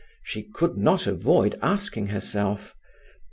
She could not avoid asking herself.